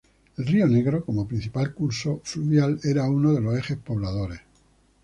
El río Negro como principal curso fluvial era uno de los ejes pobladores.